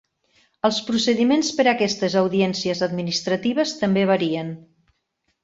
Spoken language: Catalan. Els procediments per a aquestes audiències administratives també varien.